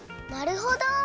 なるほど！